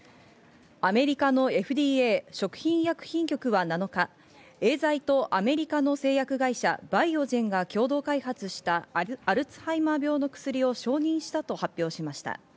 アメリカのＦＤＡ＝食品医薬品局は７日エーザイとアメリカの製薬会社・バイオジェンが共同開発したアルツハイマー病の薬を承認したと発表しました。